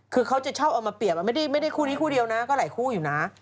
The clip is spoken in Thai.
คือเขาจะชอบเอามาเปรียบไม่ได้คู่นี้คู่เดียวนะก็หลายคู่อยู่นะ